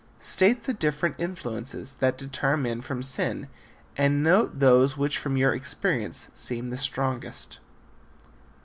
State the different influences that deter men from sin and note those which from your experience seem the strongest.